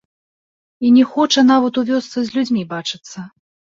І не хоча нават у вёсцы з людзьмі бачыцца.